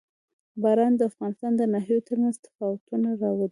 باران د افغانستان د ناحیو ترمنځ تفاوتونه راولي.